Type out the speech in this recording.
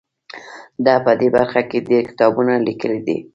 ده په دې برخه کې ډیر کتابونه لیکلي دي.